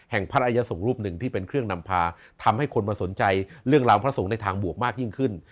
พระราชยสงฆ์รูปหนึ่งที่เป็นเครื่องนำพาทำให้คนมาสนใจเรื่องราวพระสงฆ์ในทางบวกมากยิ่งขึ้น